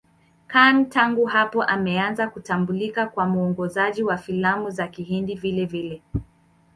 Khan tangu hapo ameanza kutambulika kama mwongozaji wa filamu za Kihindi vilevile.